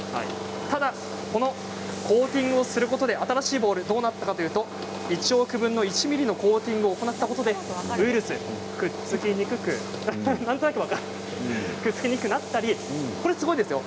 ただこのコーティングすることで新しいボールどうなったかと言いますと１億分の１ミリのコーティングを行ったことでウイルスくっつきにくくなったりすごいですよ。